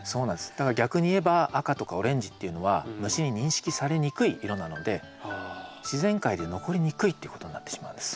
だから逆にいえば赤とかオレンジっていうのは虫に認識されにくい色なので自然界で残りにくいっていうことになってしまうんです。